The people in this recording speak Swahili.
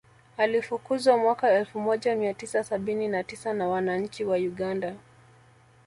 Alifukuzwa mwaka elfu moja mia tisa sabini na tisa na wananchi wa Uganda